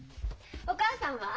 お母さんは？